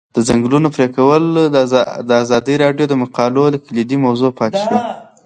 د ځنګلونو پرېکول د ازادي راډیو د مقالو کلیدي موضوع پاتې شوی.